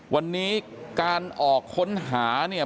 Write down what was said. วันนี้การออกค้นหาเนี่ย